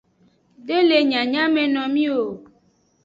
De le nyanyamenomi o.